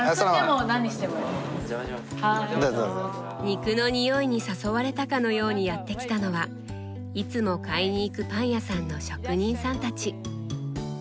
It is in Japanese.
肉の匂いに誘われたかのようにやって来たのはいつも買いに行くパン屋さんの職人さんたち。